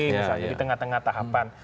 misalnya di tengah tengah tahapan